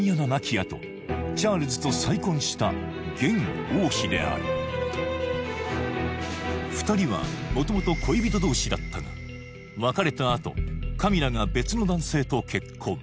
あとチャールズと再婚した現王妃である２人は元々恋人同士だったが別れたあとカミラが別の男性と結婚